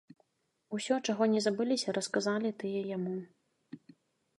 Усё, чаго не забыліся, расказалі тыя яму.